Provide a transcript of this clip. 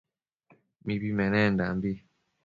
Mibi menendanbi